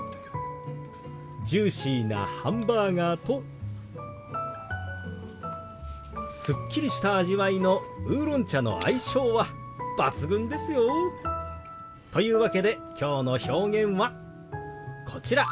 ジューシーなハンバーガーとすっきりした味わいのウーロン茶の相性は抜群ですよ。というわけできょうの表現はこちら。